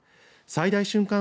最大瞬間